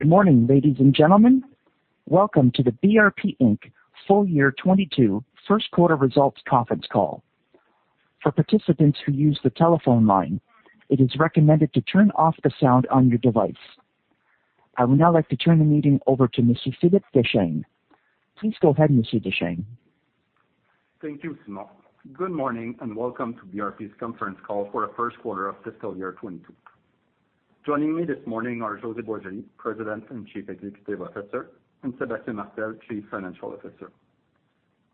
Good morning, ladies and gentlemen. Welcome to the BRP Inc. full year 2022 first quarter results conference call. For participants who use the telephone line, it is recommended to turn off the sound on your device. I would now like to turn the meeting over to Mr. Philippe Deschênes. Please go ahead, Mr. Deschênes. Thank you, Simone. Good morning, and welcome to BRP's conference call for the first quarter of fiscal year 2022. Joining me this morning are José Boisjoli, President and Chief Executive Officer, and Sébastien Martel, Chief Financial Officer.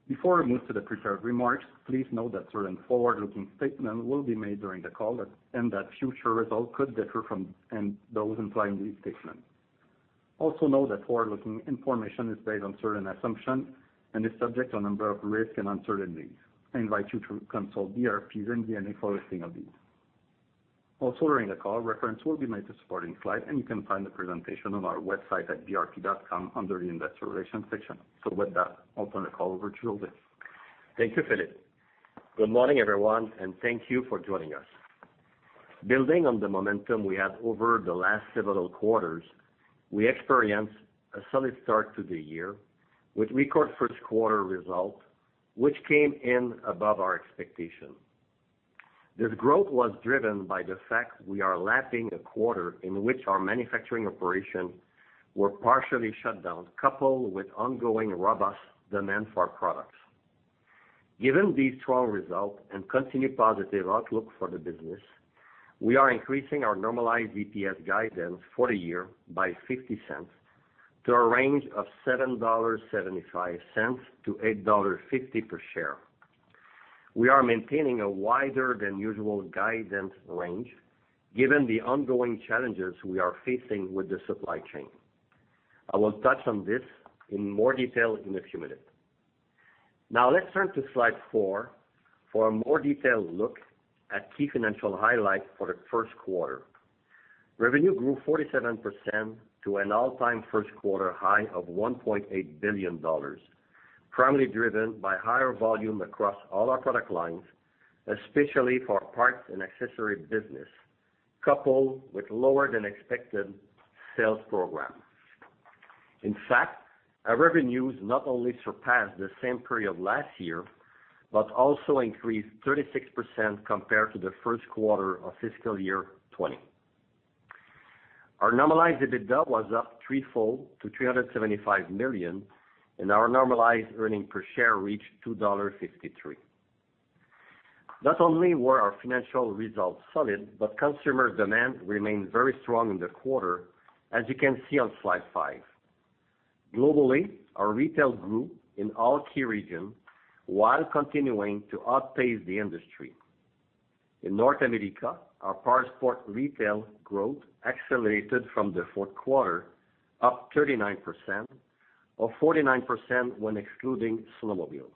Before we move to the prepared remarks, please note that certain forward-looking statements will be made during the call and that future results could differ from those in these statements. Also note that forward-looking information is based on certain assumptions and is subject to a number of risks and uncertainties. I invite you to consult BRP's MD&A for a list of these. Also, during the call, reference will be made to supporting slides, and you can find the presentation on our website at brp.com under the Investor Relations section. With that, I'll turn the call over to José. Thank you, Philippe. Good morning, everyone, and thank you for joining us. Building on the momentum we had over the last several quarters, we experienced a solid start to the year with record first quarter results, which came in above our expectations. This growth was driven by the fact we are lacking a quarter in which our manufacturing operations were partially shut down, coupled with ongoing robust demand for our products. Given these strong results and continued positive outlook for the business, we are increasing our normalized EPS guidance for the year by 0.50 to a range of 7.75-8.50 dollars per share. We are maintaining a wider than usual guidance range given the ongoing challenges we are facing with the supply chain. I will touch on this in more detail in a few minutes. Let's turn to slide four for a more detailed look at key financial highlights for the first quarter. Revenue grew 47% to an all-time first quarter high of 1.8 billion dollars, primarily driven by higher volume across all our product lines, especially for PA&A business, coupled with lower than expected sales programs. Our revenues not only surpassed the same period last year but also increased 36% compared to the first quarter of fiscal year 2020. Our normalized EBITDA was up threefold to 375 million, and our normalized earnings per share reached 2.53 dollar. Not only were our financial results solid, but consumer demand remained very strong in the quarter, as you can see on slide five. Globally, our retail grew in all key regions while continuing to outpace the industry. In North America, our parts for retail growth accelerated from the fourth quarter, up 39%, or 49% when excluding snowmobile.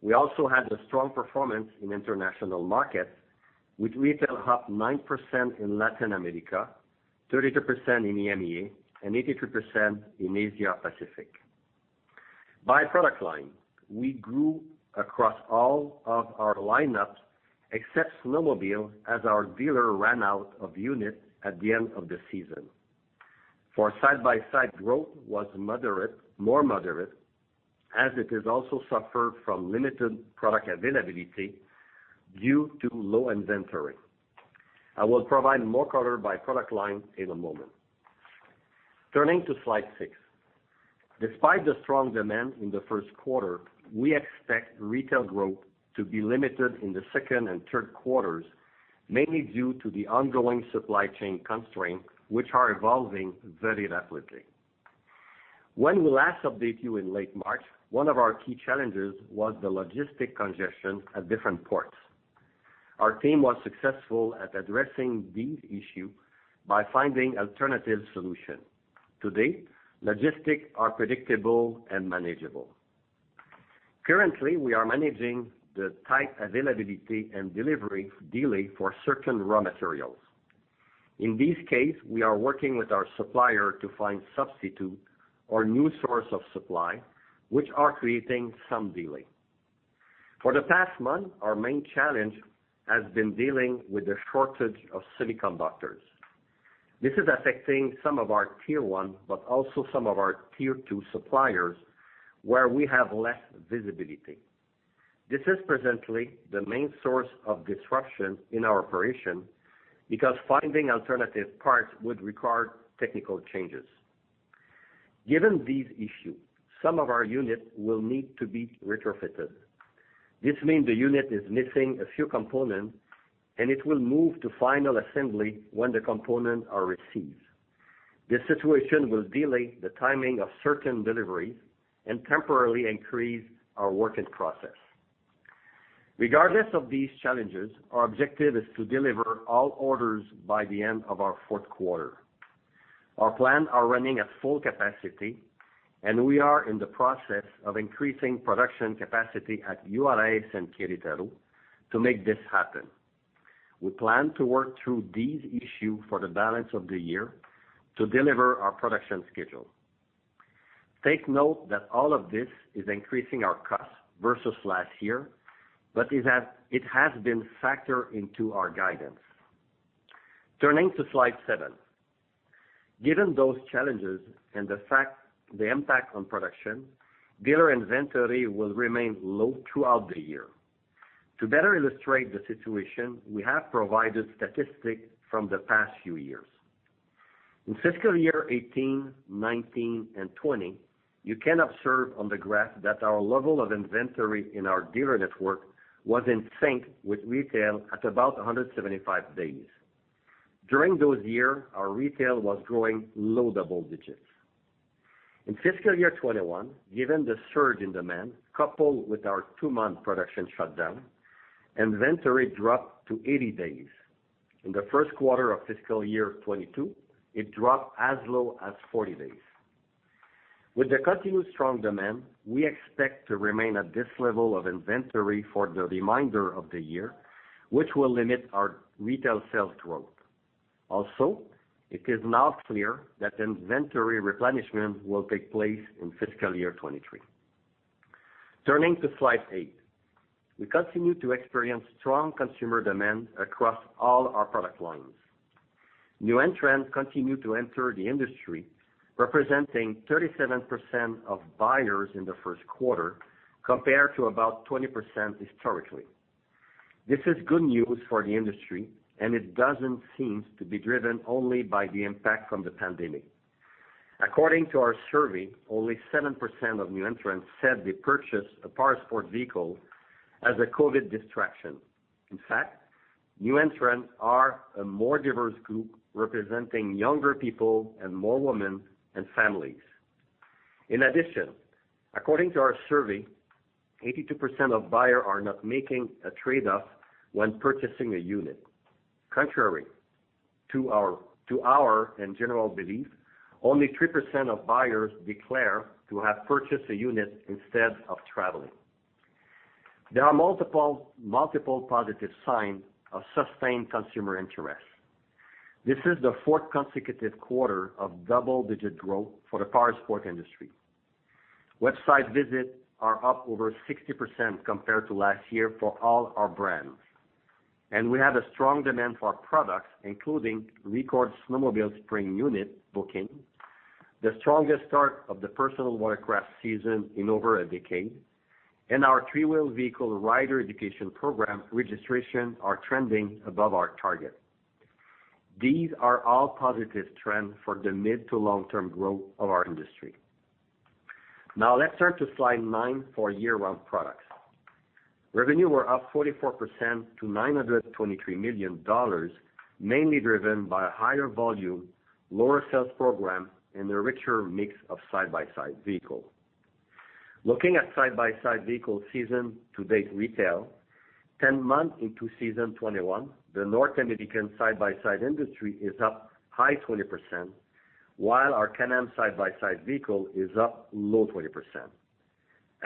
We also had a strong performance in international markets, with retail up 9% in Latin America, 32% in EMEA, and 82% in Asia Pacific. By product line, we grew across all of our lineups except snowmobile, as our dealer ran out of units at the end of the season. For side-by-side, growth was more moderate, as it has also suffered from limited product availability due to low inventory. I will provide more color by product line in a moment. Turning to slide six. Despite the strong demand in the first quarter, we expect retail growth to be limited in the second and third quarters, mainly due to the ongoing supply chain constraints, which are evolving very rapidly. When we last updated you in late March, one of our key challenges was the logistic congestion at different ports. Our team was successful at addressing this issue by finding alternative solutions. Today, logistics are predictable and manageable. Currently, we are managing the tight availability and delivery delay for certain raw materials. In this case, we are working with our supplier to find substitutes or new sources of supply, which are creating some delay. For the past month, our main challenge has been dealing with a shortage of semiconductors. This is affecting some of our Tier 1, but also some of our Tier 2 suppliers, where we have less visibility. This is presently the main source of disruption in our operation because finding alternative parts would require technical changes. Given these issues, some of our units will need to be retrofitted. This means the unit is missing a few components, and it will move to final assembly when the components are received. This situation will delay the timing of certain deliveries and temporarily increase our work in process. Regardless of these challenges, our objective is to deliver all orders by the end of our fourth quarter. Our plants are running at full capacity, and we are in the process of increasing production capacity at BRP Saint-Jérôme to make this happen. We plan to work through these issues for the balance of the year to deliver our production schedule. Take note that all of this is increasing our cost versus last year, but it has been factored into our guidance. Turning to slide seven. Given those challenges and the impact on production, dealer inventory will remain low throughout the year. To better illustrate the situation, we have provided statistics from the past few years. In fiscal year 2018, 2019, and 2020, you can observe on the graph that our level of inventory in our dealer network was in sync with retail at about 175 days. During those years, our retail was growing low double digits. In fiscal year 2021, given the surge in demand, coupled with our two-month production shutdown, inventory dropped to 80 days. In the first quarter of fiscal year 2022, it dropped as low as 40 days. With the continued strong demand, we expect to remain at this level of inventory for the remainder of the year, which will limit our retail sales growth. It is now clear that inventory replenishment will take place in fiscal year 2023. Turning to slide eight. We continue to experience strong consumer demand across all our product lines. New entrants continue to enter the industry, representing 37% of buyers in the first quarter compared to about 20% historically. This is good news for the industry, and it doesn't seem to be driven only by the impact from the pandemic. According to our survey, only 7% of new entrants said they purchased a powersport vehicle as a COVID distraction. In fact, new entrants are a more diverse group representing younger people and more women and families. In addition, according to our survey, 82% of buyers are not making a trade-off when purchasing a unit. Contrary to our and general belief, only 3% of buyers declare to have purchased a unit instead of traveling. There are multiple positive signs of sustained consumer interest. This is the fourth consecutive quarter of double-digit growth for the powersport industry. Website visits are up over 60% compared to last year for all our brands. We had a strong demand for our products, including record snowmobile spring unit booking, the strongest start of the personal watercraft season in over a decade, and our three-wheel vehicle rider education program registrations are trending above our target. These are all positive trends for the mid to long-term growth of our industry. Now let's turn to slide nine for year-round products. Revenue were up 44% to 923 million dollars, mainly driven by higher volume, lower sales program, and a richer mix of side-by-side vehicles. Looking at side-by-side vehicle season to date retail, 10 months into season 2021, the North American side-by-side industry is up high 20%, while our Can-Am side-by-side vehicle is up low 20%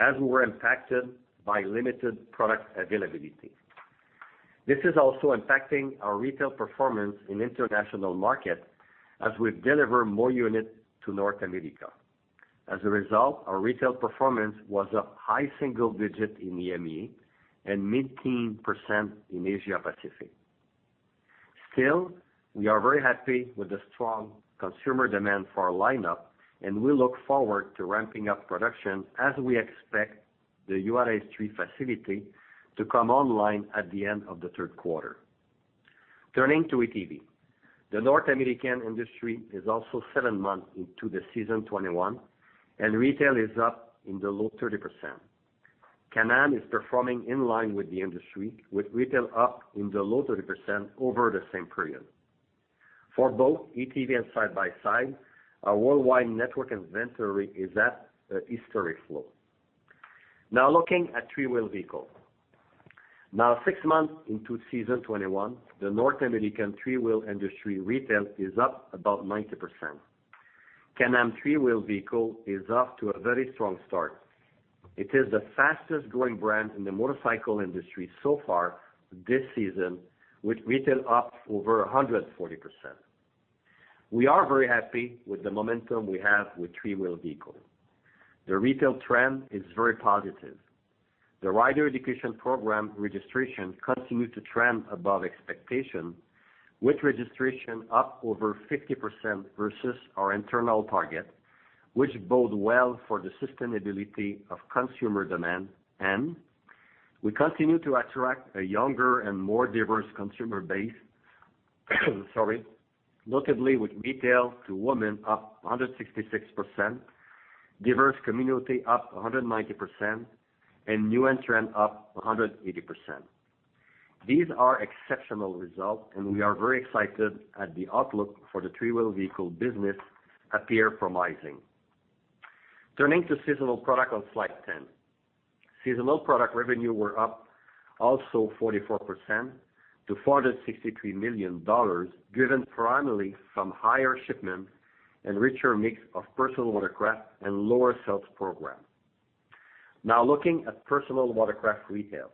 as we're impacted by limited product availability. This is also impacting our retail performance in international markets as we deliver more units to North America. As a result, our retail performance was up high single digits in EMEA and mid-teen % in Asia-Pacific. Still, we are very happy with the strong consumer demand for our lineup, and we look forward to ramping up production as we expect the Juárez 3 facility to come online at the end of the third quarter. Turning to ATV. The North American industry is also seven months into season 2021, and retail is up in the low 30%. Can-Am is performing in line with the industry, with retail up in the low 30% over the same period. For both ATV and side-by-side, our worldwide network inventory is at a historic low. Now looking at three-wheel vehicles. Now six months into season 2021, the North American three-wheel industry retail is up about 90%. Can-Am three-wheel vehicle is off to a very strong start. It is the fastest-growing brand in the motorcycle industry so far this season, with retail up over 140%. We are very happy with the momentum we have with three-wheel vehicles. The retail trend is very positive. The rider education program registration continues to trend above expectation, with registration up over 50% versus our internal target, which bodes well for the sustainability of consumer demand. We continue to attract a younger and more diverse consumer base, notably with retail to women up 166%, diverse community up 190%, and new entrants up 180%. These are exceptional results, we are very excited at the outlook for the three-wheel vehicle business appear promising. Turning to seasonal products on slide 10. Seasonal product revenue were up also 44% to 463 million dollars, driven primarily from higher shipments and richer mix of personal watercraft and lower sales program. Now looking at personal watercraft retail.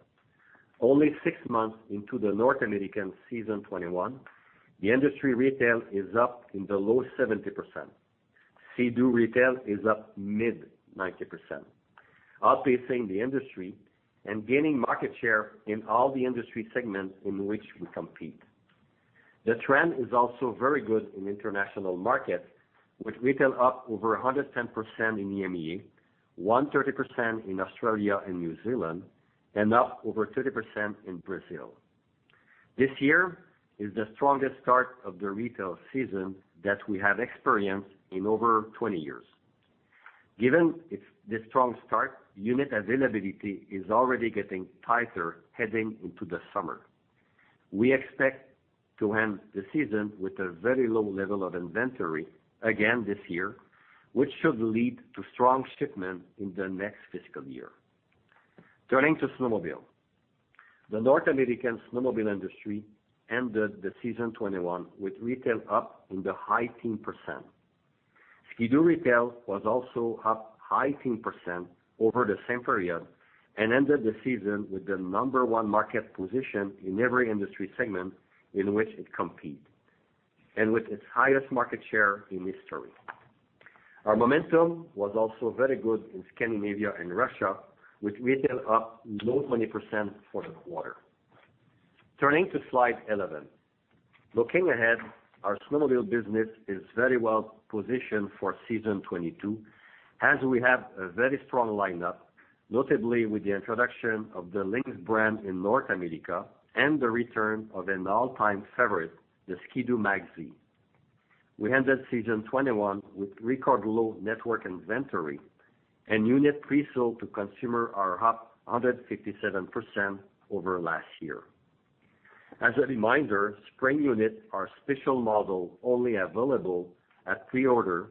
Only six months into the North American season 2021, the industry retail is up in the low 70%. Sea-Doo retail is up mid-90%, outpacing the industry and gaining market share in all the industry segments in which we compete. The trend is also very good in international markets, with retail up over 110% in EMEA, 130% in Australia and New Zealand, and up over 30% in Brazil. This year is the strongest start of the retail season that we have experienced in over 20 years. Given the strong start, unit availability is already getting tighter heading into the summer. We expect to end the season with a very low level of inventory again this year, which should lead to strong shipments in the next fiscal year. Turning to snowmobile. The North American snowmobile industry ended the season 2021 with retail up in the high teen %. Ski-Doo retail was also up high teen % over the same period and ended the season with the number one market position in every industry segment in which it competes, and with its highest market share in history. Our momentum was also very good in Scandinavia and Russia, with retail up low 20% for the quarter. Turning to slide 11. Looking ahead, our snowmobile business is very well positioned for season 2022, as we have a very strong lineup, notably with the introduction of the Lynx brand in North America and the return of an all-time favorite, the Ski-Doo Mach Z. We ended season 2021 with record low network inventory. Unit presale to consumer are up 157% over last year. As a reminder, spring unit are special models only available at preorder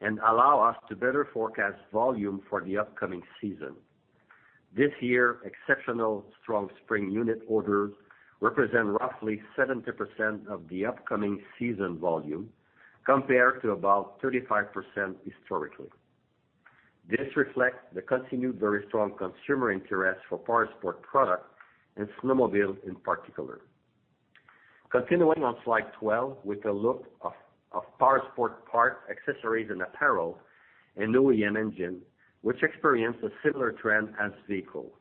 and allow us to better forecast volume for the upcoming season. This year, exceptional strong spring unit orders represent roughly 70% of the upcoming season volume, compared to about 35% historically. This reflects the continued very strong consumer interest for powersport products and snowmobiles in particular. Continuing on slide 12 with a look of Powersport Parts, Accessories, and Apparel in OEM engine, which experienced a similar trend as vehicle.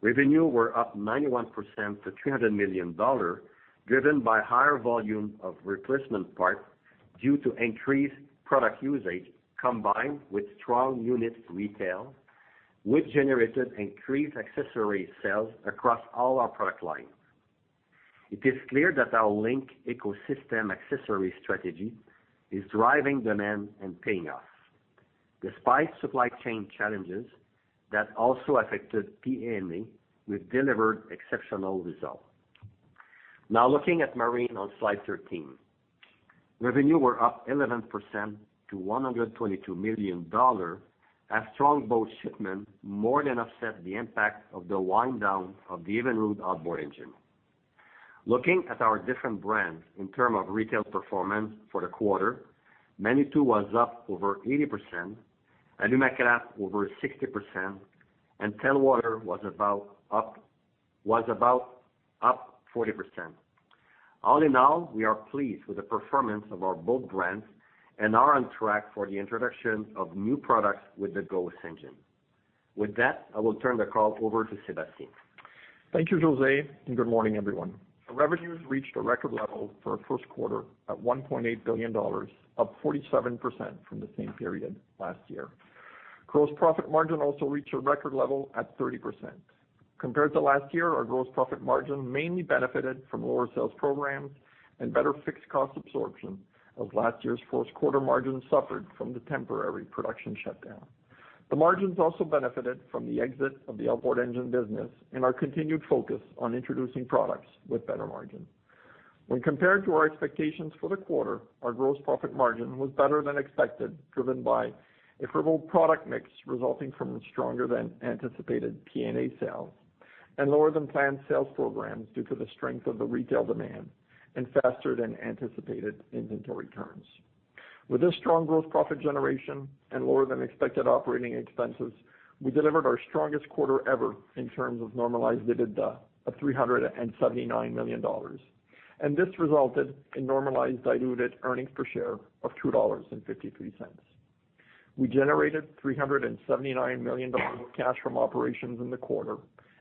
Revenue were up 91% to 300 million dollars, driven by higher volume of replacement parts due to increased product usage combined with strong units retail, which generated increased accessory sales across all our product lines. It is clear that our LinQ ecosystem accessory strategy is driving demand and paying off. Despite supply chain challenges that also affected PA&A, we've delivered exceptional results. Now looking at marine on slide 13. Revenue were up 11% to 122 million dollars, as strong boat shipments more than offset the impact of the wind-down of the Evinrude outboard engine. Looking at our different brands in terms of retail performance for the quarter, Manitou was up over 80%, and Alumacraft over 60%, and Telwater was about up 40%. All in all, we are pleased with the performance of our boat brands and are on track for the introduction of new products with the Ghost engine. With that, I will turn the call over to Sébastien. Thank you, José, and good morning, everyone. Our revenues reached a record level for a first quarter at 1.8 billion dollars, up 47% from the same period last year. Gross profit margin also reached a record level at 30%. Compared to last year, our gross profit margin mainly benefited from lower sales programs and better fixed cost absorption, as last year's first quarter margin suffered from the temporary production shutdown. The margins also benefited from the exit of the outboard engine business and our continued focus on introducing products with better margins. When compared to our expectations for the quarter, our gross profit margin was better than expected, driven by a favorable product mix resulting from stronger than anticipated PA&A sales and lower than planned sales programs due to the strength of the retail demand and faster than anticipated inventory turns. With this strong gross profit generation and lower than expected operating expenses, we delivered our strongest quarter ever in terms of normalized EBITDA of 379 million dollars, and this resulted in normalized diluted earnings per share of 2.53 dollars. We generated 379 million dollars of cash from operations in the quarter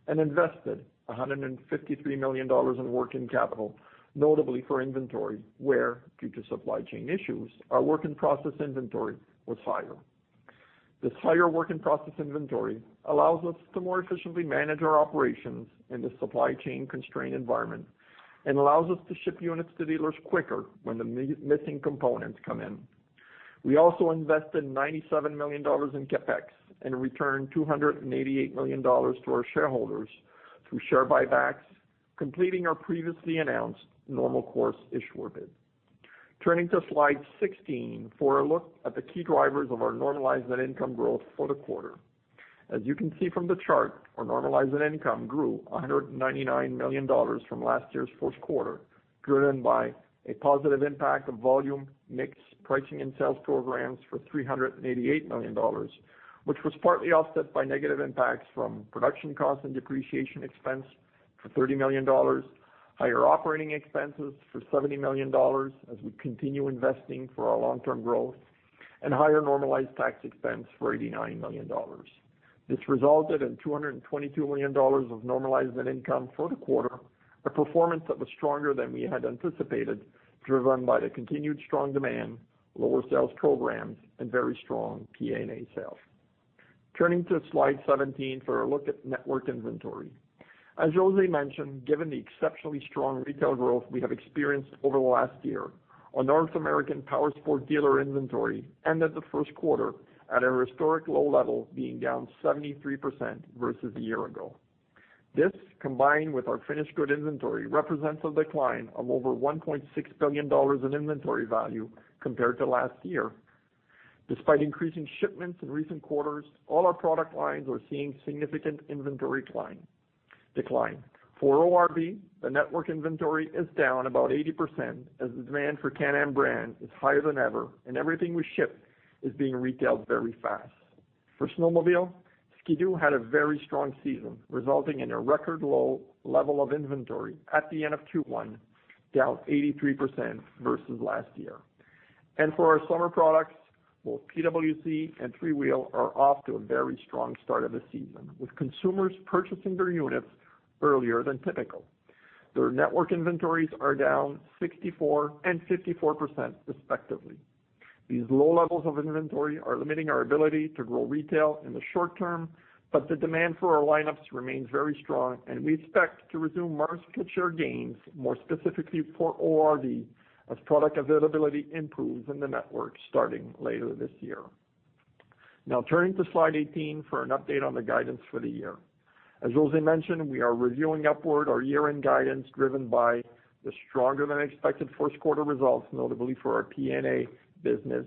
and invested 153 million dollars in working capital, notably for inventory, where, due to supply chain issues, our work-in-process inventory was higher. This higher work-in-process inventory allows us to more efficiently manage our operations in the supply chain constrained environment and allows us to ship units to dealers quicker when the missing components come in. We also invested 97 million dollars in CapEx and returned 288 million dollars to our shareholders through share buybacks, completing our previously announced normal course issuer bid. Turning to slide 16 for a look at the key drivers of our normalized net income growth for the quarter. As you can see from the chart, our normalized net income grew 199 million dollars from last year's first quarter, driven by a positive impact of volume, mix, pricing, and sales programs for 388 million dollars, which was partly offset by negative impacts from production cost and depreciation expense for 30 million dollars. Higher operating expenses for 70 million dollars as we continue investing for our long-term growth and higher normalized tax expense for 89 million dollars. This resulted in 222 million dollars of normalized net income for the quarter, a performance that was stronger than we had anticipated, driven by the continued strong demand, lower sales programs, and very strong PA&A sales. Turning to slide 17 for a look at network inventory. As José mentioned, given the exceptionally strong retail growth we have experienced over the last year, our North American Powersport dealer inventory ended the first quarter at a historic low level, being down 73% versus a year ago. This, combined with our finished good inventory, represents a decline of over 1.6 billion dollars in inventory value compared to last year. Despite increasing shipments in recent quarters, all our product lines are seeing significant inventory decline. For ORV, the network inventory is down about 80% as the demand for Can-Am brand is higher than ever, and everything we ship is being retailed very fast. For snowmobile, Ski-Doo had a very strong season, resulting in a record low level of inventory at the end of Q1, down 83% versus last year. For our summer products, both PWC and Three-Wheel are off to a very strong start of the season, with consumers purchasing their units earlier than typical. Their network inventories are down 64% and 54% respectively. These low levels of inventory are limiting our ability to grow retail in the short term, but the demand for our lineups remains very strong, and we expect to resume market share gains, more specifically for ORV, as product availability improves in the network starting later this year. Turning to slide 18 for an update on the guidance for the year. As José mentioned, we are reviewing upward our year-end guidance driven by the stronger than expected first quarter results, notably for our PA&A business,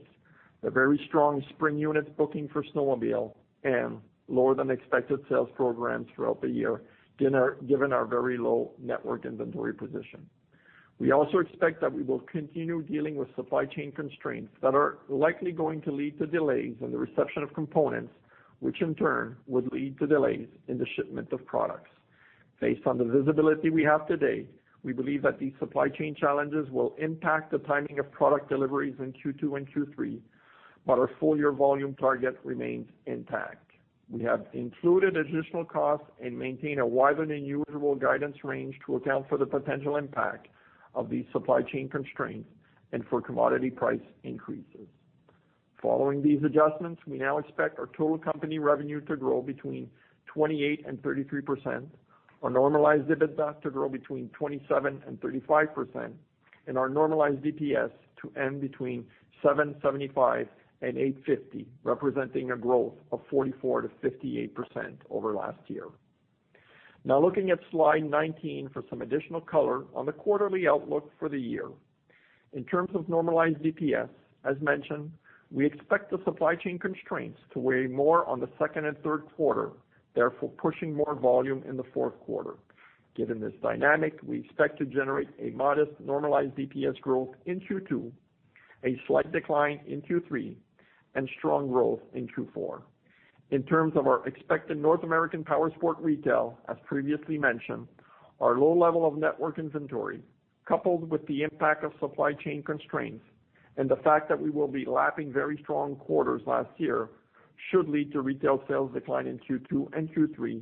the very strong spring unit booking for snowmobile, and lower than expected sales programs throughout the year, given our very low network inventory position. We also expect that we will continue dealing with supply chain constraints that are likely going to lead to delays in the reception of components, which in turn would lead to delays in the shipment of products. Based on the visibility we have today, we believe that these supply chain challenges will impact the timing of product deliveries in Q2 and Q3, but our full-year volume target remains intact. We have included additional costs and maintain a wide and unusual guidance range to account for the potential impact of these supply chain constraints and for commodity price increases. Following these adjustments, we now expect our total company revenue to grow between 28% and 33%, our normalized EBITDA to grow between 27% and 35%, and our normalized EPS to end between 7.75 and 8.50, representing a growth of 44% to 58% over last year. Now looking at slide 19 for some additional color on the quarterly outlook for the year. In terms of normalized DPS, as mentioned, we expect the supply chain constraints to weigh more on the second and third quarter, therefore pushing more volume in the fourth quarter. Given this dynamic, we expect to generate a modest normalized DPS growth in Q2, a slight decline in Q3, and strong growth in Q4. In terms of our expected North American Powersport retail, as previously mentioned, our low level of network inventory, coupled with the impact of supply chain constraints and the fact that we will be lapping very strong quarters last year should lead to retail sales decline in Q2 and Q3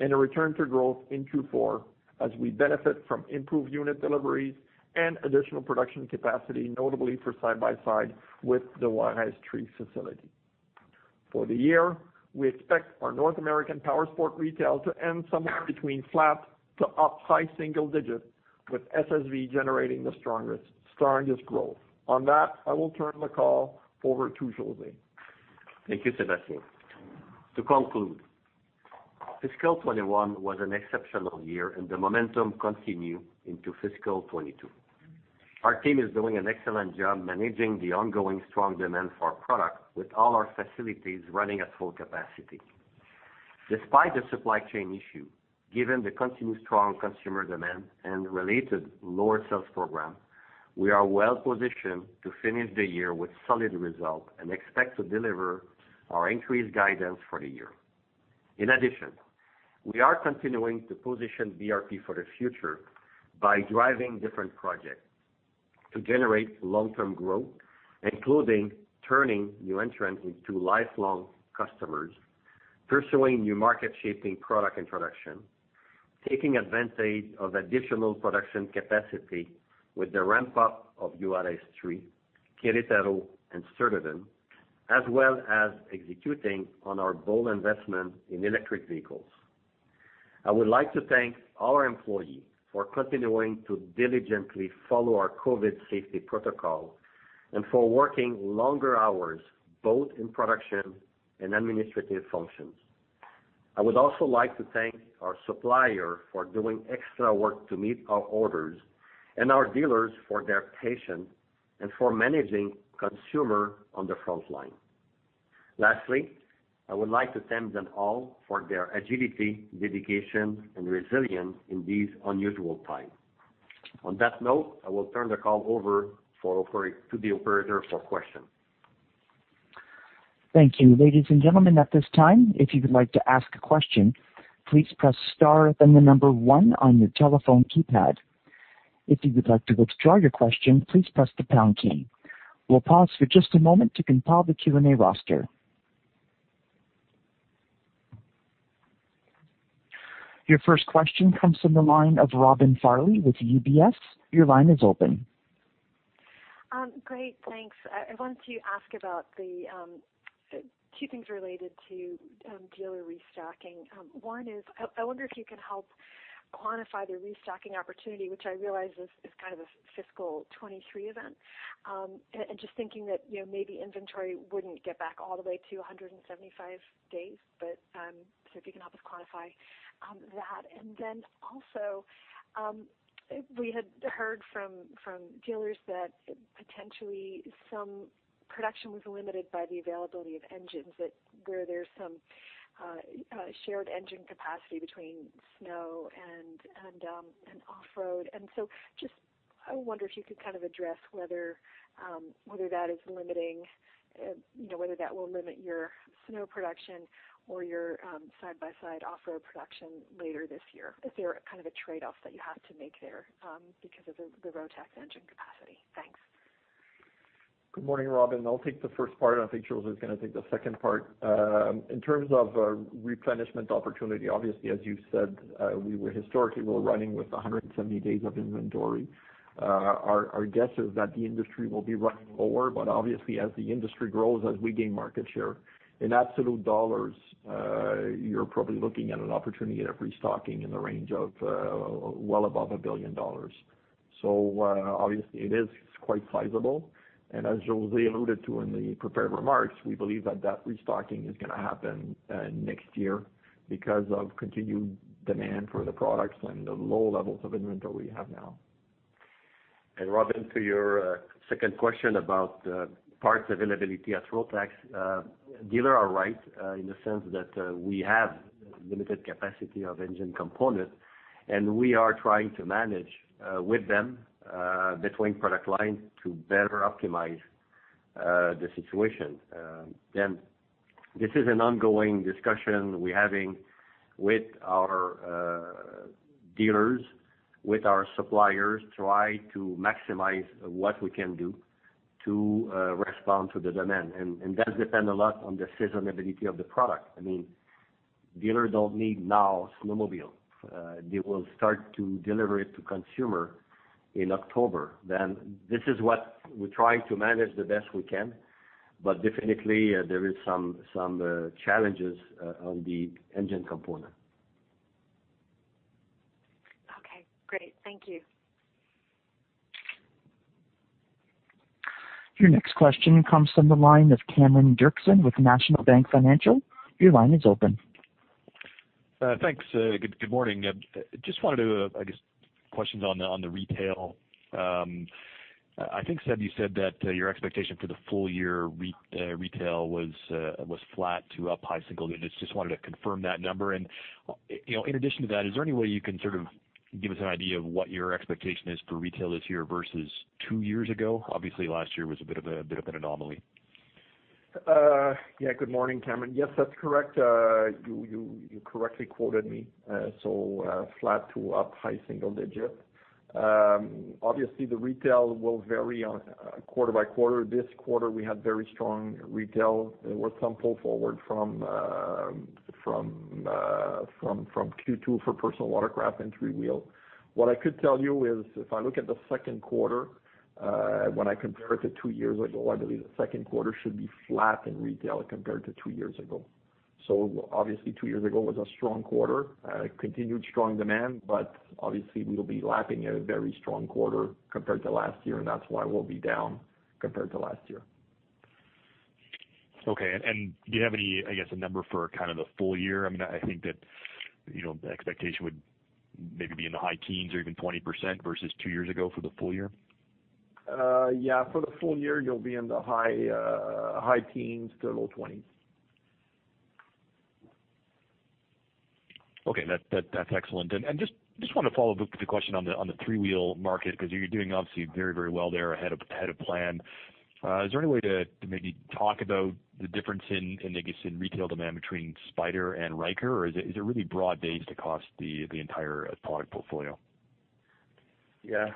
and a return to growth in Q4 as we benefit from improved unit deliveries and additional production capacity, notably for side-by-side with the Juárez 3 facility. For the year, we expect our North American Powersport retail to end somewhere between flat to upside single digits, with SSV generating the strongest growth. On that, I will turn the call over to José. Thank you, Sébastien. To conclude, fiscal 2021 was an exceptional year, and the momentum continued into fiscal 2022. Our team is doing an excellent job managing the ongoing strong demand for our product with all our facilities running at full capacity. Despite the supply chain issue, given the continued strong consumer demand and related lower sales program, we are well-positioned to finish the year with solid results and expect to deliver our increased guidance for the year. In addition, we are continuing to position BRP for the future by driving different projects to generate long-term growth, including turning new entrants into lifelong customers, pursuing new market-shaping product introductions, taking advantage of additional production capacity with the ramp-up of Juárez 3, Querétaro, and St-Eustache, as well as executing on our bold investment in electric vehicles. I would like to thank our employees for continuing to diligently follow our COVID safety protocol and for working longer hours, both in production and administrative functions. I would also like to thank our suppliers for doing extra work to meet our orders and our dealers for their patience and for managing consumers on the front line. Lastly, I would like to thank them all for their agility, dedication, and resilience in these unusual times. On that note, I will turn the call over to the operator for questions. Your first question comes from the line of Robin Farley with UBS. Your line is open. Great, thanks. I want to ask about two things related to dealer restocking. One is, I wonder if you could help quantify the restocking opportunity, which I realize is a fiscal 2023 event. Just thinking that maybe inventory wouldn't get back all the way to 175 days, if you can help us quantify that. We had heard from dealers that potentially some production was limited by the availability of engines where there's some shared engine capacity between snow and off-road. I wonder if you could address whether that will limit your snow production or your side-by-side off-road production later this year. If there are trade-offs that you have to make there because of the Rotax engine capacity. Thanks. Good morning, Robin. I'll take the first part, and I think José is going to take the second part. In terms of replenishment opportunity, obviously, as you said, we were historically running with 170 days of inventory. Our guess is that the industry will be running lower, but obviously, as the industry grows, as we gain market share. In absolute dollars, you're probably looking at an opportunity of restocking in the range of well above 1 billion dollars. Obviously it is quite sizable, and as José alluded to in the prepared remarks, we believe that that restocking is going to happen next year because of continued demand for the products and the low levels of inventory we have now. Robin, to your second question about parts availability at Rotax. Dealers are right in the sense that we have limited capacity of engine components, and we are trying to manage with them between product lines to better optimize the situation. This is an ongoing discussion we're having with our dealers, with our suppliers, try to maximize what we can do to respond to the demand. That depends a lot on the seasonality of the product. Dealers don't need now snowmobile. They will start to deliver it to consumer in October. This is what we're trying to manage the best we can. Definitely, there is some challenges on the engine component. Okay, great. Thank you. Your next question comes from the line of Cameron Doerksen with National Bank Financial. Your line is open. Thanks. Good morning. Just wanted to, I guess, questions on the retail. I think, Sébastien, you said that your expectation for the full year retail was flat to up high single digits. Just wanted to confirm that number. In addition to that, is there any way you can sort of give us an idea of what your expectation is for retail this year versus two years ago? Obviously, last year was a bit of an anomaly. Yeah. Good morning, Cameron Doerksen. Yes, that's correct. You correctly quoted me, flat to up high single digits. Obviously, the retail will vary quarter-by-quarter. This quarter, we had very strong retail. There was some pull forward from Q2 for personal watercraft and three-wheel. What I could tell you is if I look at the second quarter, when I compare it to two years ago, I believe the second quarter should be flat in retail compared to two years ago. Obviously, two years ago was a strong quarter, continued strong demand, obviously, we'll be lapping a very strong quarter compared to last year, and that's why we'll be down compared to last year. Okay. Do you have any, I guess, a number for the full year? I think that the expectation would maybe be in the high teens or even 20% versus two years ago for the full year. Yeah. For the full year, you'll be in the high teens to low 20s. Okay. That's excellent. Just want to follow up with the question on the three-wheel market, because you're doing obviously very well there, ahead of plan. Is there any way to maybe talk about the difference in, I guess, in retail demand between Spyder and Ryker? Is it really broad-based across the entire product portfolio? Yeah.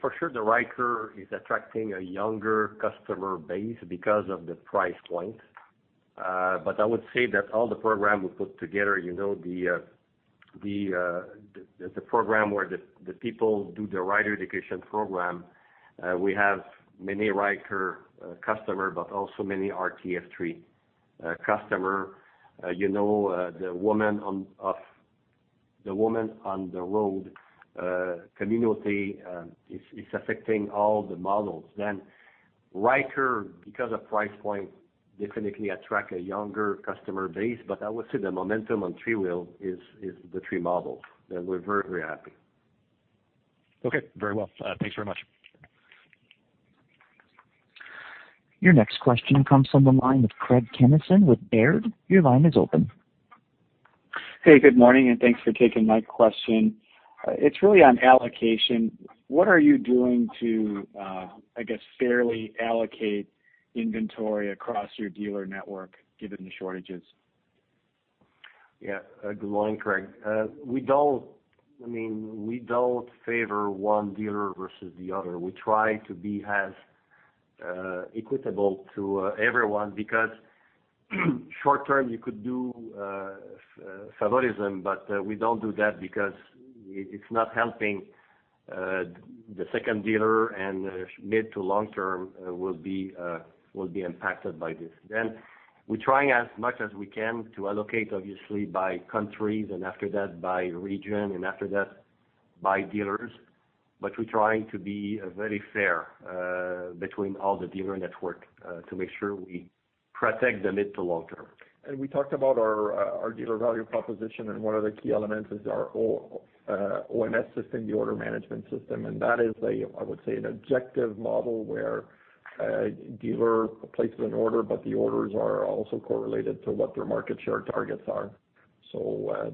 For sure, the Ryker is attracting a younger customer base because of the price point. I would say that all the programs we put together, the program where the people do the rider education program, we have many Ryker customer, but also many RT F3 customer. The Women of On-Road community is affecting all the models. Ryker, because of price point, definitely attract a younger customer base. I would say the momentum on three-wheel is the three models, and we're very happy. Okay, very well. Thanks very much. Your next question comes from the line of Craig Kennison with Baird. Your line is open. Hey, good morning. Thanks for taking my question. It's really on allocation. What are you doing to, I guess, fairly allocate inventory across your dealer network given the shortages? Good morning, Craig. We don't favor one dealer versus the other. We try to be as equitable to everyone because short-term, you could do favoritism, but we don't do that because it's not helping the second dealer, and mid to long-term will be impacted by this. We try as much as we can to allocate obviously by countries and after that by region and after that by dealers. We're trying to be very fair between all the dealer networks to make sure we protect the mid to long-term. We talked about our dealer value proposition, and one of the key elements is our OMS system, the order management system, and that is, I would say, an objective model where a dealer places an order, but the orders are also correlated to what their market share targets are.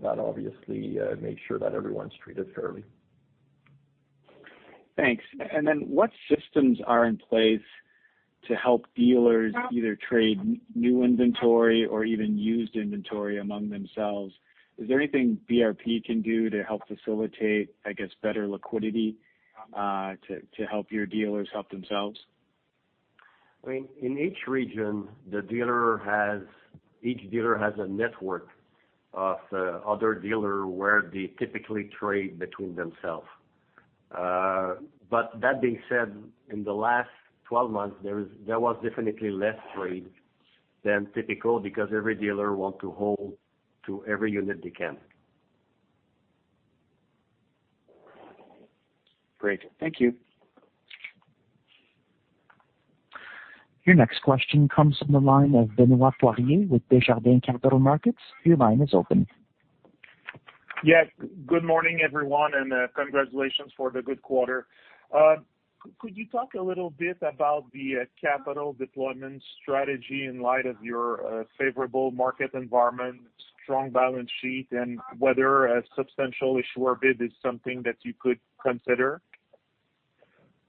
That obviously makes sure that everyone's treated fairly. Thanks. What systems are in place to help dealers either trade new inventory or even used inventory among themselves? Is there anything BRP can do to help facilitate, I guess, better liquidity, to help your dealers help themselves? In each region, each dealer has a network of other dealers where they typically trade between themselves. That being said, in the last 12 months, there was definitely less trade than typical because every dealer wants to hold to every unit they can. Great. Thank you. Your next question comes from the line of Benoit Poirier with Desjardins Capital Markets. Your line is open. Yeah. Good morning, everyone, and congratulations for the good quarter. Could you talk a little bit about the capital deployment strategy in light of your favorable market environment, strong balance sheet, and whether a substantial share bid is something that you could consider?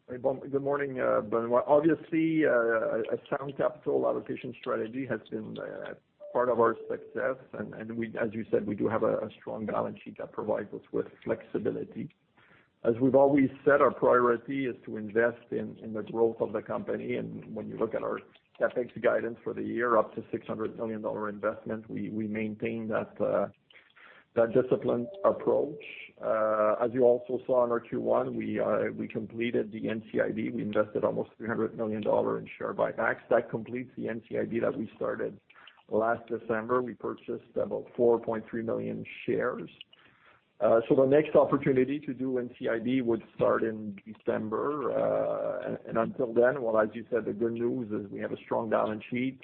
Good morning, Benoit. Obviously, a sound capital allocation strategy has been part of our success. As you said, we do have a strong balance sheet that provides us with flexibility. As we've always said, our priority is to invest in the growth of the company. When you look at our CapEx guidance for the year, up to a 600 million dollar investment, we maintain that disciplined approach. As you also saw in our Q1, we completed the NCIB. We invested almost 300 million dollars in share buybacks. That completes the NCIB that we started last December. We purchased about 4.3 million shares. The next opportunity to do NCIB would start in December. Until then, well, as you said, the good news is we have a strong balance sheet.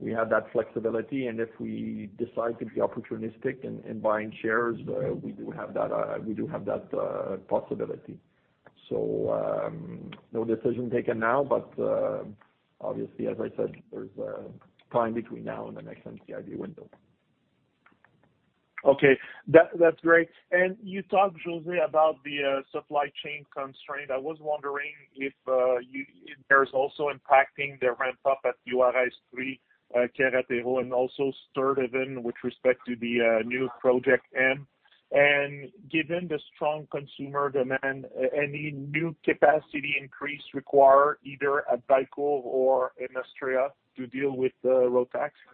We have that flexibility, and if we decide to be opportunistic in buying shares, we do have that possibility. No decision taken now, but obviously, as I said, there's time between now and the next NCIB window. Okay. That's great. You talked, José, about the supply chain constraint. I was wondering if there's also impacting the ramp-up at Juárez 3 Querétaro and also Saint-Jérôme with respect to the new Project M. Given the strong consumer demand, any new capacity increase required either at Valcourt or Juárez to deal with the load factor?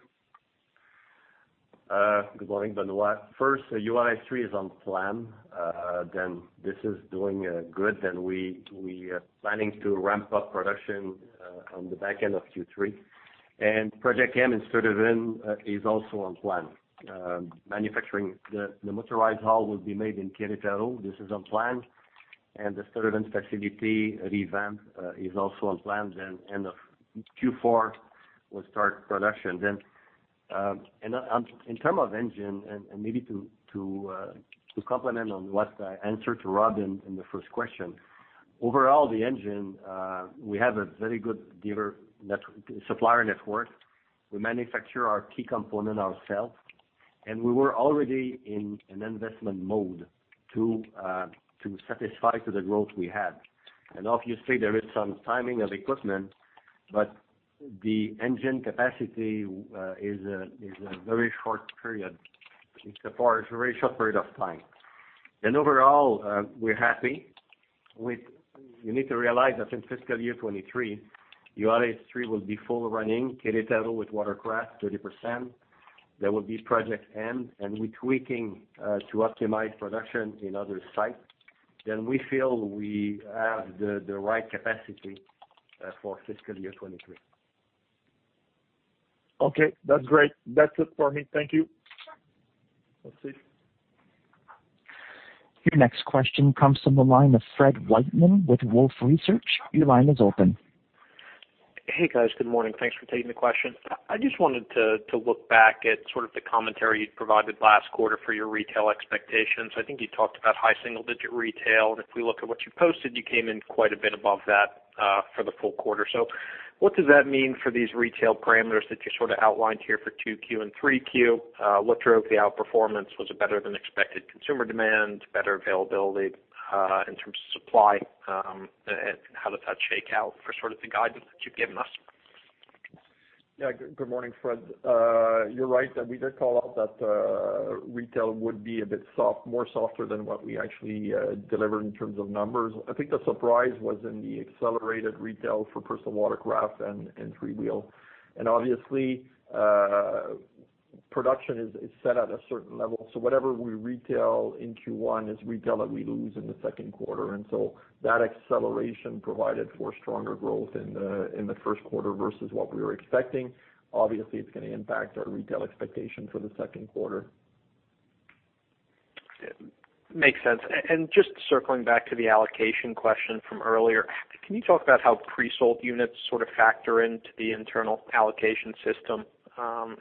Good morning, Benoit. First, Juárez 3 is on plan. This is doing good, and we are planning to ramp up production on the back end of Q3. Project M in St-Eustache is also on plan. Manufacturing the motorized hull will be made in Querétaro. This is on plan, and the St-Eustache facility revamp is also on plan. End of Q4, we'll start production then. In terms of engine, and maybe to complement on what I answered to Rod in the first question, overall, the engine, we have a very good supplier network. We manufacture our key component ourselves, and we were already in an investment mode to satisfy the growth we had. Obviously, there is some timing of equipment, but the engine capacity is a very short period of time. You need to realize that in fiscal year 2023, Juárez 3 will be fully running, Querétaro with Watercraft 30%, there will be Project M, and we're tweaking to optimize production in other sites. We feel we have the right capacity for fiscal year 2023. Okay. That's great. That's it for me. Thank you. That's it. Your next question comes from the line of Fred Wightman with Wolfe Research. Your line is open. Hey, guys. Good morning. Thanks for taking the question. I just wanted to look back at sort of the commentary you provided last quarter for your retail expectations. I think you talked about high single-digit retail, and if we look at what you posted, you came in quite a bit above that for the full quarter. What does that mean for these retail parameters that you outlined here for 2Q and 3Q? What drove the outperformance? Was it better than expected consumer demand, better availability in terms of supply? How does that shake out for the guidance that you've given us? Yeah. Good morning, Fred. You're right that we did call out that retail would be a bit more softer than what we actually delivered in terms of numbers. I think the surprise was in the accelerated retail for personal watercraft and three-wheel. Obviously, production is set at a certain level. Whatever we retail in Q1 is retail that we lose in the second quarter, and so that acceleration provided for stronger growth in the first quarter versus what we were expecting. Obviously, it's going to impact our retail expectation for the second quarter. Makes sense. Just circling back to the allocation question from earlier, can you talk about how pre-sold units factor into the internal allocation system,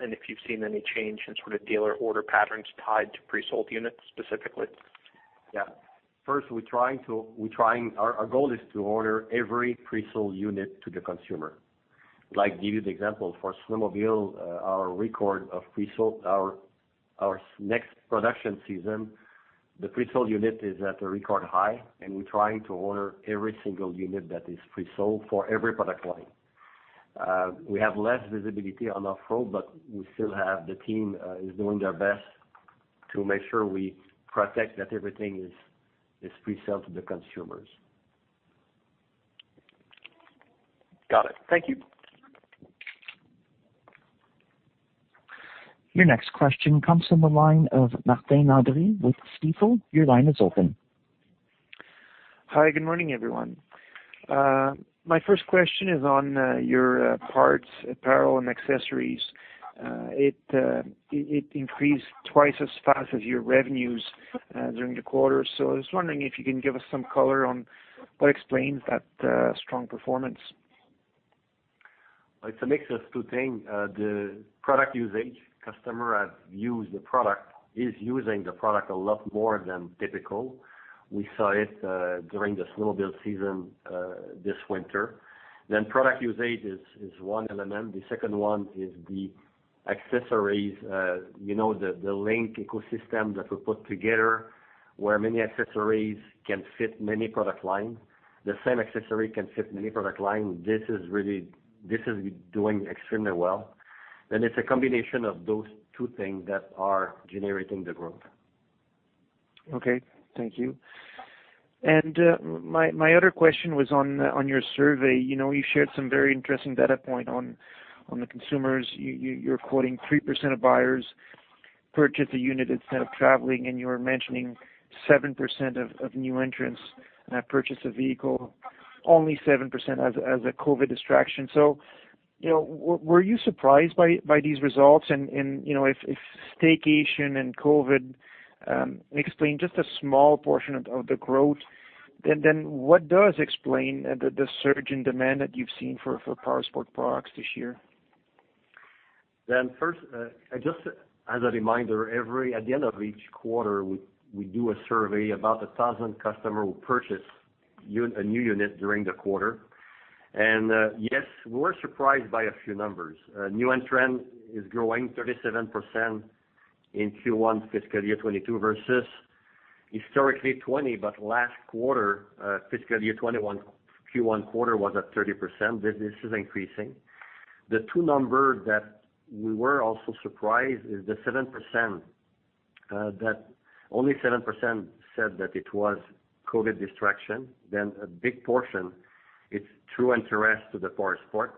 and if you've seen any change in dealer order patterns tied to pre-sold units specifically? Yeah. First, our goal is to order every pre-sold unit to the consumer. Like, give you the example, for snowmobile, our next production season, the pre-sold unit is at a record high, and we're trying to order every single unit that is pre-sold for every product line. We have less visibility on off-road, but the team is doing their best to make sure we protect that everything is pre-sold to the consumers. Got it. Thank you. Your next question comes from the line of Martin Landry with Stifel. Your line is open. Hi, good morning, everyone. My first question is on your Parts, Apparel, and Accessories. It increased twice as fast as your revenues during the quarter. I was wondering if you can give us some color on what explains that strong performance. It's a mix of two things. The product usage, customer is using the product a lot more than typical. We saw it during the snowmobile season this winter. Product usage is one element. The second one is the accessories, the linked ecosystem that we put together, where many accessories can fit many product lines. The same accessory can fit many product lines. This is doing extremely well. It's a combination of those two things that are generating the growth. Okay, thank you. My other question was on your survey. You shared some very interesting data point on the consumers. You're quoting 3% of buyers purchased a unit instead of traveling, and you were mentioning 7% of new entrants purchased a vehicle, only 7% as a COVID distraction. Were you surprised by these results? If staycation and COVID explain just a small portion of the growth, then what does explain the surge in demand that you've seen for Powersport products this year? First, just as a reminder, at the end of each quarter, we do a survey. About 1,000 customer will purchase a new unit during the quarter. Yes, we were surprised by a few numbers. New entrant is growing 37% in Q1 fiscal year 2022 versus historically 20, but last quarter, fiscal year 2021 Q1 quarter was at 30%, this is increasing. The two number that we were also surprised is the 7%, that only 7% said that it was COVID distraction. A big portion, it's true interest to the Powersport.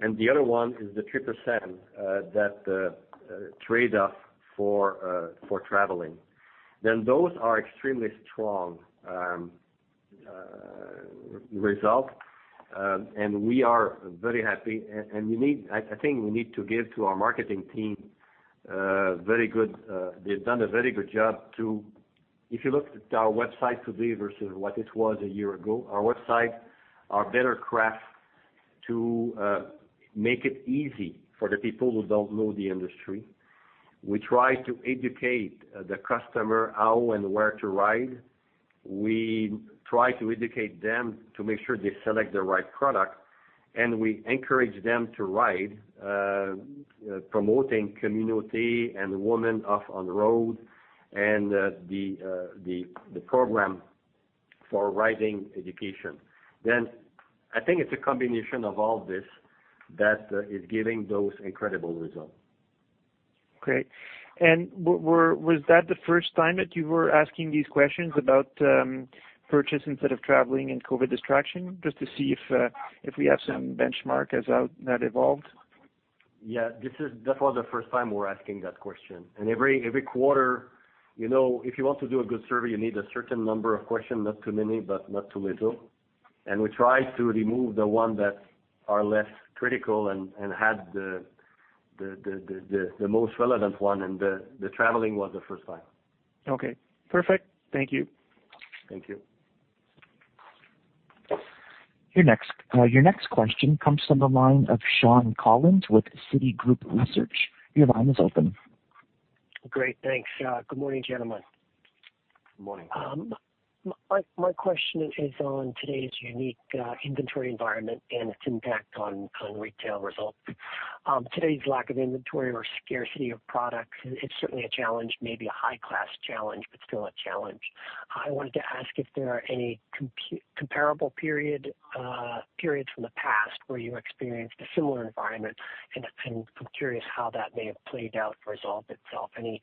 The other one is the 3% that trade-off for traveling. Those are extremely strong results, and we are very happy. I think we need to give to our marketing team, they've done a very good job to If you look at our website today versus what it was a year ago, our website, our Watercraft to make it easy for the people who don't know the industry. We try to educate the customer how and where to ride. We try to educate them to make sure they select the right product, and we encourage them to ride, promoting community and women off on the road and the program for riding education. I think it's a combination of all this that is giving those incredible results. Great. Was that the first time that you were asking these questions about purchase instead of traveling and COVID distraction, just to see if we have some benchmark as that evolved? Yeah, that was the first time we were asking that question. Every quarter, if you want to do a good survey, you need a certain number of questions, not too many, but not too little. We try to remove the one that are less critical and add the most relevant one, and the traveling was the first time. Okay, perfect. Thank you. Thank you. Your next question comes from the line of Shawn Collins with Citigroup Research. Your line is open. Great. Thanks. Good morning, gentlemen. Good morning. My question is on today's unique inventory environment and its impact on retail results. Today's lack of inventory or scarcity of products is certainly a challenge, maybe a high-class challenge, but still a challenge. I wanted to ask if there are any comparable periods from the past where you experienced a similar environment, and I'm curious how that may have played out, resolved itself. Any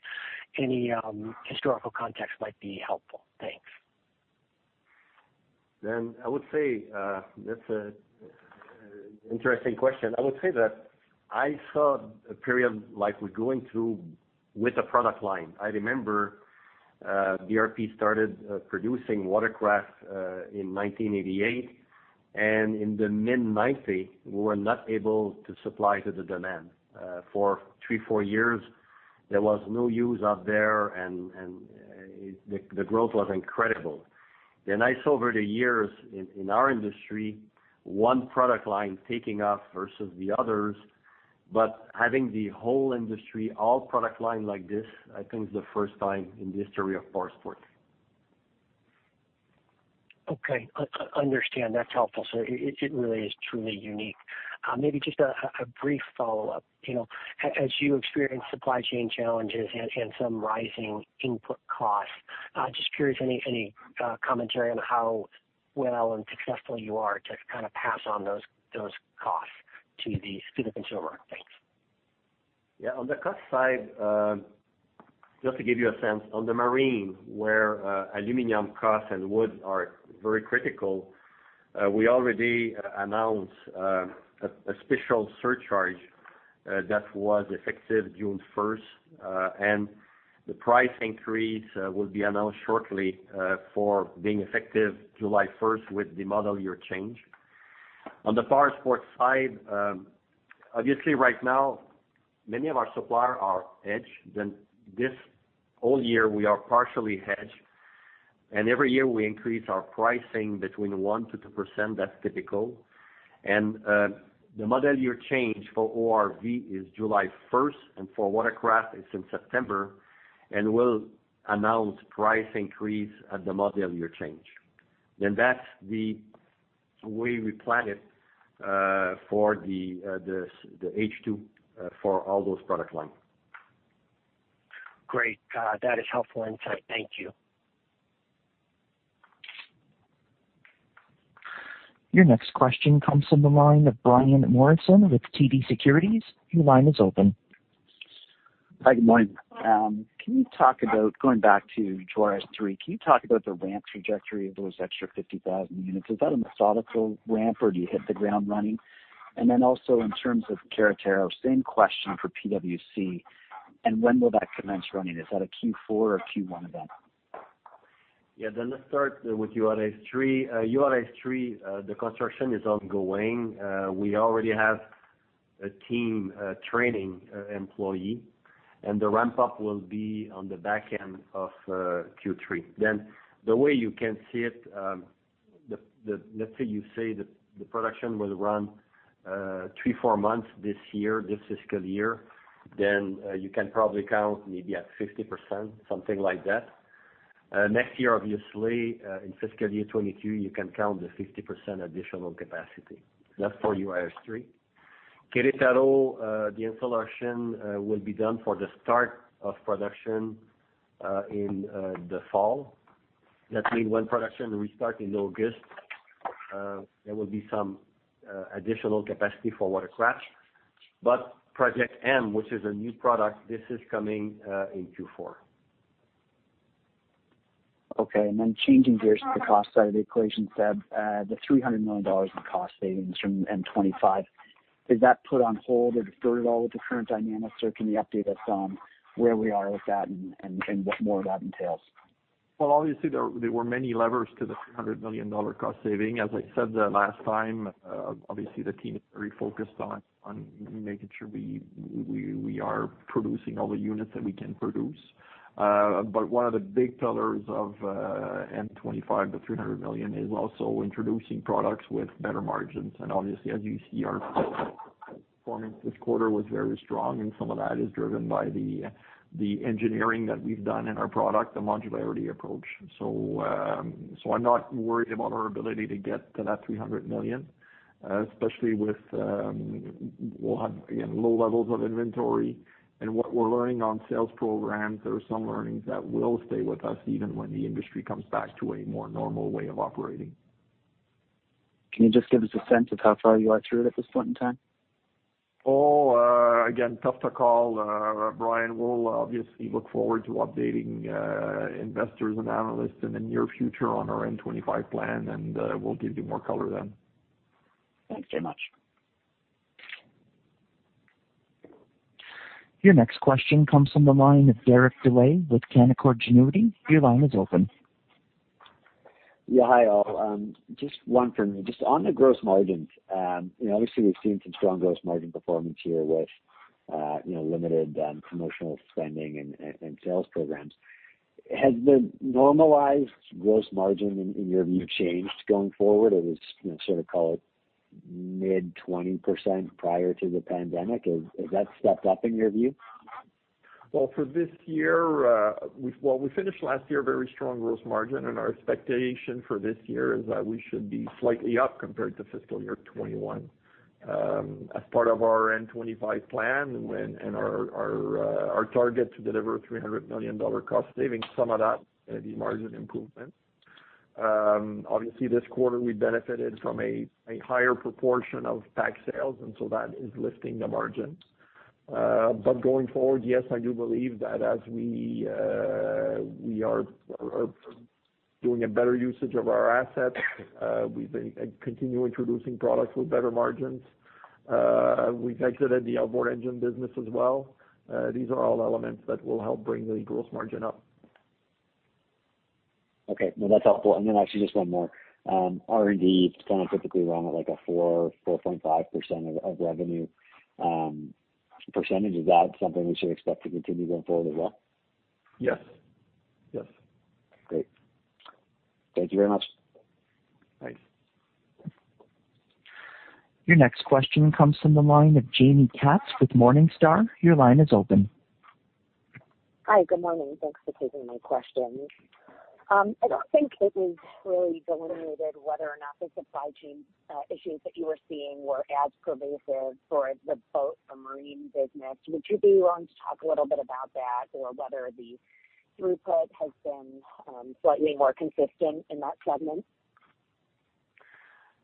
historical context might be helpful. Thanks. I would say that's an interesting question. I would say that I saw a period like we're going through with a product line. I remember BRP started producing watercraft in 1988, and in the mid-'90s, we were not able to supply to the demand. For three, four years, there was no UTVs out there, and the growth was incredible. I saw over the years in our industry, one product line taking off versus the others, but having the whole industry, all product line like this, I think is the first time in the history of powersports. Okay. Understand, that's helpful. It really is truly unique. Maybe just a brief follow-up. As you experience supply chain challenges and some rising input costs, just curious any commentary on how well and successful you are to pass on those costs to the consumer market. Thanks. Yeah, on the cost side, just to give you a sense, on the marine, where aluminum cost and wood are very critical, we already announced a special surcharge that was effective June 1st, and the price increase will be announced shortly for being effective July 1st with the model year change. On the powersports side, obviously right now, many of our suppliers are hedged. This whole year, we are partially hedged, and every year we increase our pricing between 1%-2%. That's typical. The model year change for ORV is July 1st, and for watercraft, it's in September, and we'll announce price increase at the model year change. That's the way we plan it for the H2 for all those product lines. Great. That is helpful insight. Thank you. Your next question comes from the line of Brian Morrison with TD Securities. Your line is open. Hi, good morning. Going back to Juárez 3, can you talk about the ramp trajectory of those extra 50,000 units? Is that a methodical ramp or do you hit the ground running? Also in terms of Querétaro, same question for PWC, when will that commence running? Is that a Q4 or Q1 event? Yeah. Let's start with Juárez 3. Juárez 3, the construction is ongoing. We already have a team training employee, and the ramp-up will be on the back end of Q3. The way you can see it, let's say you say the production will run three, four months this year, this fiscal year, then you can probably count maybe at 50%, something like that. Next year, obviously, in fiscal year 2023, you can count the 50% additional capacity. That's for Juárez 3. Querétaro, the installation will be done for the start of production in the fall. That means when production will start in August, there will be some additional capacity for watercraft. Project M, which is a new product, this is coming in Q4. Changing gears to the cost side of the equation, Seb, the 300 million dollars in cost savings from M25, is that put on hold at all with the current dynamics, or can you update us on where we are with that and what more that entails? Well, obviously, there were many levers to the 300 million dollar cost saving. As I said the last time, obviously the team is very focused on making sure we are producing all the units that we can produce. One of the big pillars of M25, the 300 million, is also introducing products with better margins. Obviously, as you see, our performance this quarter was very strong, and some of that is driven by the engineering that we've done in our product, the modularity approach. I'm not worried about our ability to get to that 300 million, especially with, we'll have, again, low levels of inventory. What we're learning on sales programs, there are some learnings that will stay with us even when the industry comes back to a more normal way of operating. Can you just give us a sense of how far you are through it this point in time? Oh, again, tough to call, Brian. We'll obviously look forward to updating investors and analysts in the near future on our M25 plan, we'll give you more color then. Thanks very much. Your next question comes from the line of Derek Dley with Canaccord Genuity. Your line is open. Yeah. Hi all. Just one for me. Just on the gross margins, obviously we've seen some strong gross margin performance here with limited promotional spending and sales programs. Has the normalized gross margin in your view changed going forward, or let's sort of call it? Mid 20% prior to the pandemic. Has that stepped up in your view? We finished last year very strong gross margin, and our expectation for this year is that we should be slightly up compared to fiscal year 2021. As part of our Mission 25 plan and our target to deliver a 300 million dollar cost savings, some of that may be margin improvement. Obviously, this quarter we benefited from a higher proportion of ATV sales, that is lifting the margin. Going forward, yes, I do believe that as we are doing a better usage of our assets, we continue introducing products with better margins. We've exited the outboard engine business as well. These are all elements that will help bring the gross margin up. Okay. Well, that's helpful. Actually just one more. R&D kind of typically run at like a 4%, 4.5% of revenue percentage. Is that something we should expect to continue going forward as well? Yes. Great. Thank you very much. Thanks. Your next question comes from the line of Jaime Katz with Morningstar. Your line is open. Hi. Good morning. Thanks for taking my questions. I don't think it is clearly delineated whether or not the supply chain issues that you are seeing were as pervasive for the boat and marine business. Would you be willing to talk a little bit about that or whether the throughput has been slightly more consistent in that segment?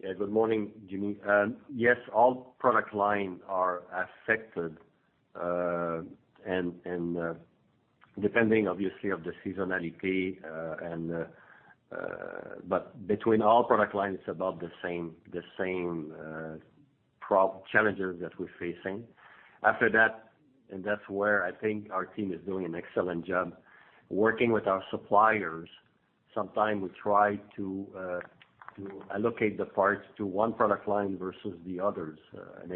Good morning, Jaime. Yes, all product line are affected, and depending obviously on the seasonality. Between all product lines, about the same challenges that we're facing. After that, and that's where I think our team is doing an excellent job working with our suppliers. Sometimes we try to allocate the parts to one product line versus the others. An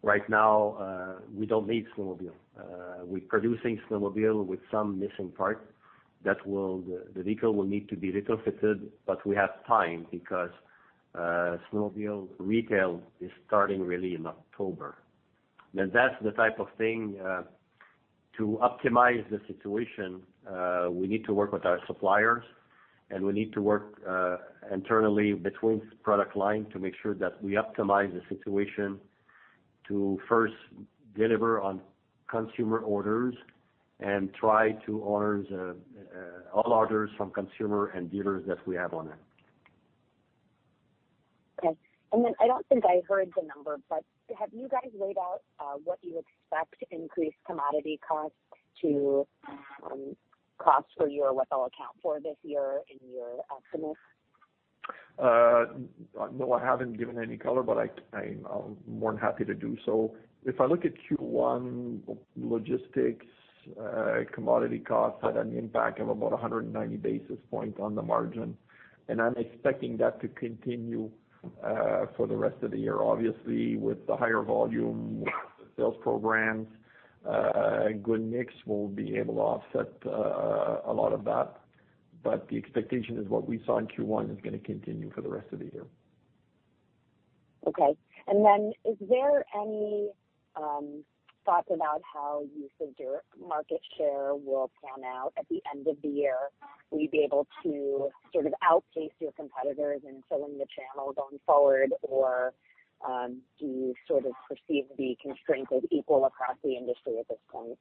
example, right now, we don't make snowmobile. We're producing snowmobile with some missing part that the vehicle will need to be refitted, but we have time because snowmobile retail is starting really in October. That's the type of thing, to optimize the situation, we need to work with our suppliers, and we need to work internally between product lines to make sure that we optimize the situation to first deliver on consumer orders and try to honor all orders from consumer and dealers that we have on hand. Okay. I don't think I heard the number, but have you guys laid out what you expect increased commodity costs to cost for you or what they'll account for this year in your estimates? No, I haven't given any color, but I'm more than happy to do so. If I look at Q1 logistics, commodity costs had an impact of about 190 basis points on the margin, and I'm expecting that to continue for the rest of the year. Obviously, with the higher volume sales programs, good mix will be able to offset a lot of that. The expectation is what we saw in Q1 is going to continue for the rest of the year. Okay. Is there any thoughts about how you think your market share will pan out at the end of the year? Will you be able to sort of outpace your competitors in filling the channel going forward, or do you sort of perceive the constraint as equal across the industry at this point?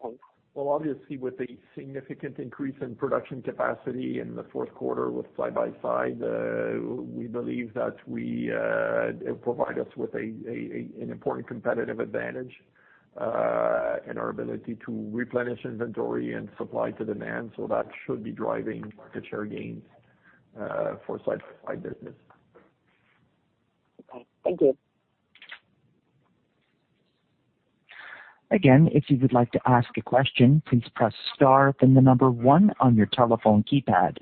Thanks. Obviously, with a significant increase in production capacity in the fourth quarter with side-by-sides, we believe that it provide us with an important competitive advantage in our ability to replenish inventory and supply to demand. That should be driving the share gains for side-by-side business. Okay. Thank you. Again, if you would like to ask a question, please press star, then the number one on your telephone keypad.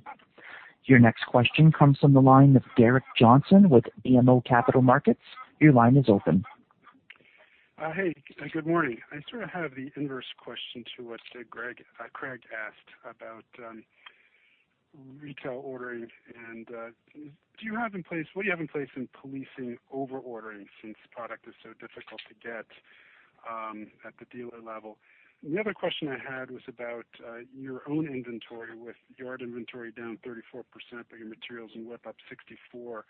Your next question comes from the line of Gerrick Johnson with BMO Capital Markets. Your line is open. Hey, good morning. I sort of have the inverse question to what Craig asked about retail ordering. Do you have in place, what do you have in place in policing over-ordering since product is so difficult to get at the dealer level? The other question I had was about your own inventory with yard inventory down 34%, but your materials and WIP up 64%.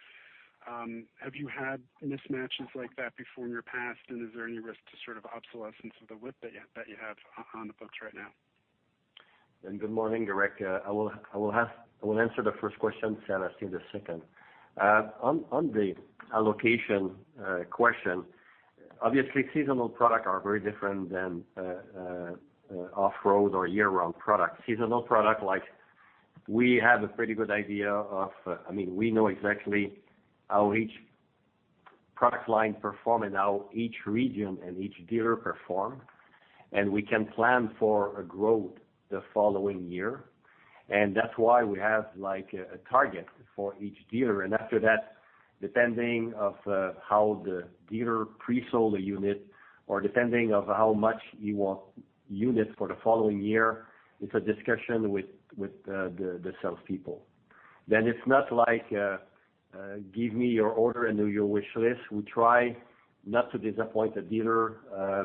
Have you had mismatches like that before in your past, and is there any risk to sort of obsolescence of the WIP that you have on the books right now? Good morning, Derek. I will answer the first question, Sébastien on the second. On the allocation question, obviously, seasonal product are very different than off-road or year-round product. Seasonal product, we have a pretty good idea of We know exactly how each product line perform and how each region and each dealer perform, and we can plan for a growth the following year. That's why we have a target for each dealer. After that, depending of how the dealer pre-sold the unit or depending of how much you want unit for the following year, it's a discussion with the salespeople. It's not like, give me your order and do your wish list. We try not to disappoint the dealer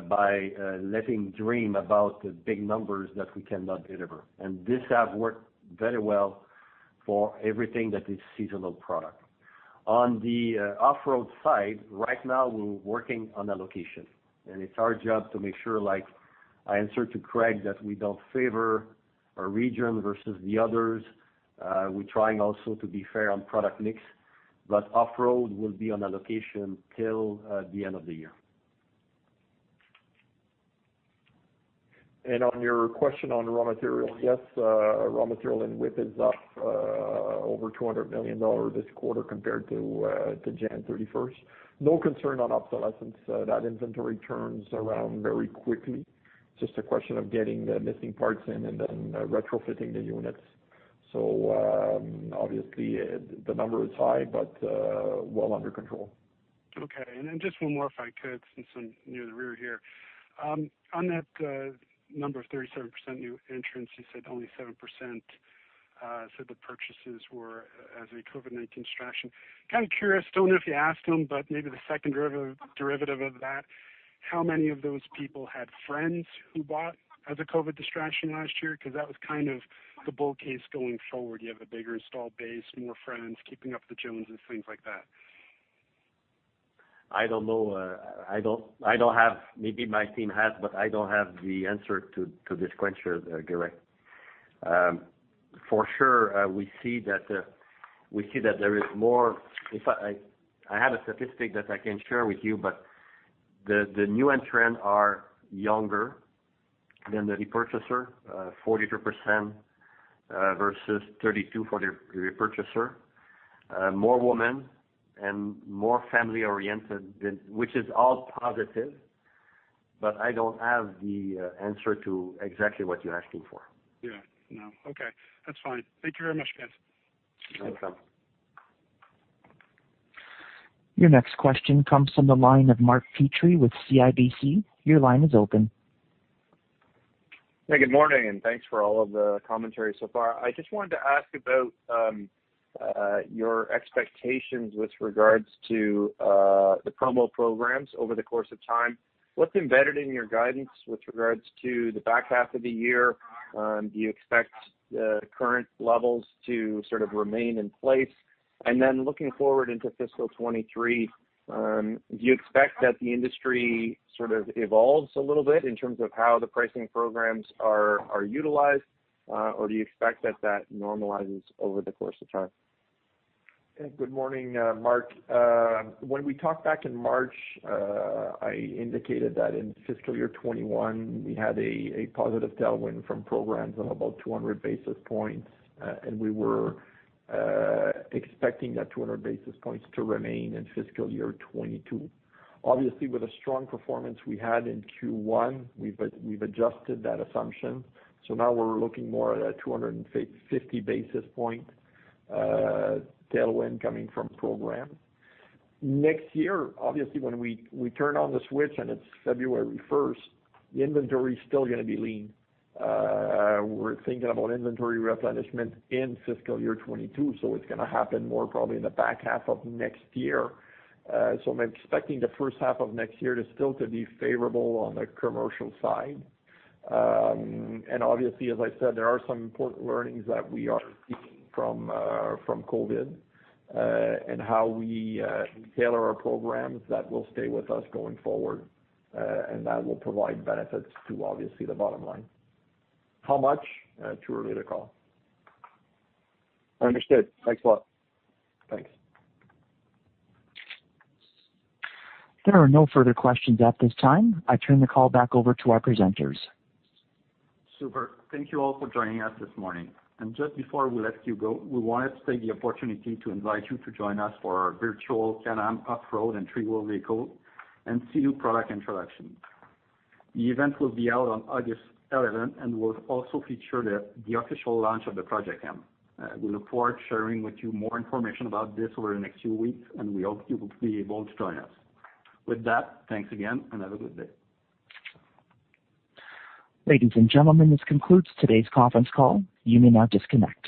by letting dream about the big numbers that we cannot deliver. This has worked very well for everything that is seasonal product. On the off-road side, right now we're working on allocation, and it's our job to make sure, like I answered to Craig, that we don't favor a region versus the others. We're trying also to be fair on product mix, but off-road will be on allocation till the end of the year. On your question on raw material, yes, raw material in WIP is up over 200 million dollars this quarter compared to January 31st. No concern on obsolescence. That inventory turns around very quickly. Just a question of getting the missing parts in and then retrofitting the units. Obviously, the number is high, but well under control. Okay. Then just one more if I could, since I'm near the rear here. On that number, 37% new entrants, you said only 7% said the purchases were as a COVID-19 distraction. Kind of curious, don't know if you asked them, but maybe the second derivative of that, how many of those people had friends who bought as a COVID distraction last year? Because that was kind of the bull case going forward. You have a bigger install base, more friends keeping up with Joneses, things like that. I don't know. Maybe my team has, but I don't have the answer to this question, Derek. For sure, we see that there is. I have a statistic that I can share with you, but the new entrants are younger than the repurchaser, 43% versus 32 for the repurchaser. More women and more family-oriented, which is all positive, but I don't have the answer to exactly what you're asking for. Yeah. No. Okay. That's fine. Thank you very much, guys. You're welcome. Your next question comes from the line of Mark Petrie with CIBC. Your line is open. Good morning, and thanks for all of the commentary so far. I just wanted to ask about your expectations with regards to the promo programs over the course of time. What's embedded in your guidance with regards to the back half of the year? Do you expect the current levels to sort of remain in place? Looking forward into fiscal 2023, do you expect that the industry sort of evolves a little bit in terms of how the pricing programs are utilized? Do you expect that normalizes over the course of time? Good morning, Mark. When we talked back in March, I indicated that in fiscal year 2021, we had a positive tailwind from programs of about 200 basis points, and we were expecting that 200 basis points to remain in fiscal year 2022. Obviously, with the strong performance we had in Q1, we've adjusted that assumption. Now we're looking more at a 250 basis point tailwind coming from programs. Next year, obviously, when we turn on the switch and it's February 1st, the inventory is still going to be lean. We're thinking about inventory replenishment in fiscal year 2022, it's going to happen more probably in the back half of next year. I'm expecting the first half of next year to still be favorable on the commercial side. Obviously, as I said, there are some important learnings that we are taking from COVID, and how we tailor our programs that will stay with us going forward, and that will provide benefits to obviously the bottom line. How much? Too early to call. Understood. Thanks a lot. Thanks. There are no further questions at this time. I turn the call back over to our presenters. Super. Thank you all for joining us this morning. Just before we let you go, we wanted to take the opportunity to invite you to join us for our virtual Can-Am off-road and three-wheel vehicle and Sea-Doo product introduction. The event will be out on August 11th and will also feature the official launch of the Project M. We look forward to sharing with you more information about this over the next few weeks, and we hope you will be able to join us. With that, thanks again and have a good day. Ladies and gentlemen, this concludes today's conference call. You may now disconnect.